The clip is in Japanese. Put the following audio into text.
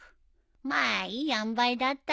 まあいいあんばいだったよ。